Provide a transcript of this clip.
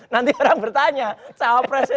nanti orang bertanya cawapresnya